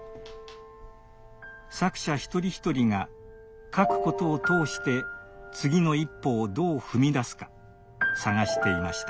作者一人一人が書くことを通して「次の一歩」をどう踏み出すか探していました。